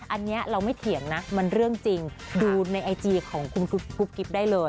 อันนี้เราไม่เถียงนะมันเรื่องจริงดูในไอจีของคุณกุ๊กกิ๊บได้เลย